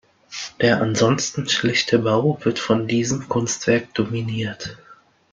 Der ansonsten schlichte Bau wird von diesem Kunstwerk dominiert.